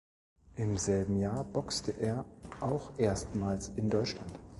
Im selben Jahr boxte er auch erstmals in Deutschland.